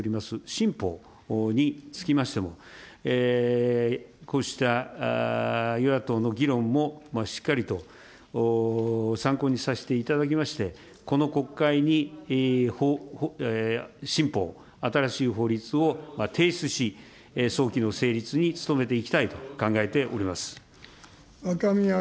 新法につきましても、こうした与野党の議論もしっかりと参考にさせていただきまして、この国会に新法、新しい法律を提出し、早期の成立に努めていきたいと考えております。